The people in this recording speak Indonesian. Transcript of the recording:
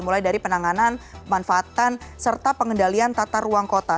mulai dari penanganan manfaatan serta pengendalian tata ruang kota